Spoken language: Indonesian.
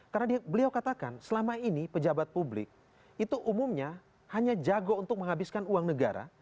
karena beliau katakan selama ini pejabat publik itu umumnya hanya jago untuk menghabiskan uang negara